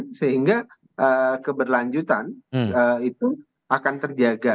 sehingga keberlanjutan itu akan terjaga